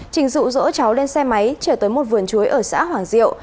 trình rụ rỗ cháu lên xe máy trở tới một vườn chuối ở xã hoàng diệu